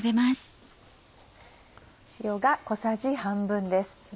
塩が小さじ半分です。